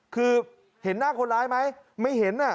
คือเห็นหน้าคนร้ายไหมไม่เห็น